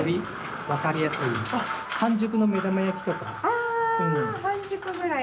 ああ半熟ぐらいが。